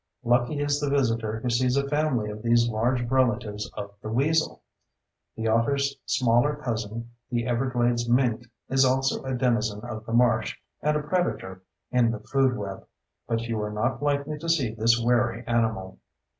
Lucky is the visitor who sees a family of these large relatives of the weasel! The otter's smaller cousin, the everglades mink, is also a denizen of the marsh and a predator in the food web; but you are not likely to see this wary animal.